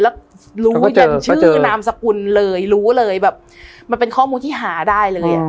แล้วรู้จนชื่อนามสกุลเลยรู้เลยแบบมันเป็นข้อมูลที่หาได้เลยอ่ะ